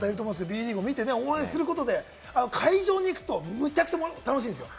Ｂリーグを見て応援することで会場行くと、むちゃくちゃ楽しいです。